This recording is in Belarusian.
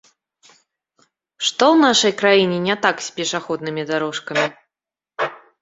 Што ў нашай краіне не так з пешаходнымі дарожкамі?